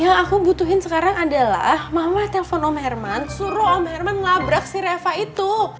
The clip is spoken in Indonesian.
yang aku butuhin sekarang adalah mama telpon om herman suruh om herman labrak si reva itu